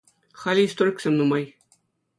Халӗ историксем нумай.